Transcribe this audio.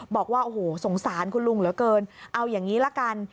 บอกว่าโอ้โหสงสารคุณลุงเหลือเกินเอาอย่างนี้ละกัน